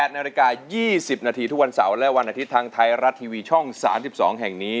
นาฬิกา๒๐นาทีทุกวันเสาร์และวันอาทิตย์ทางไทยรัฐทีวีช่อง๓๒แห่งนี้